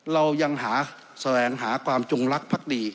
เรายังหาแสวงหาความจงลักษ์ดี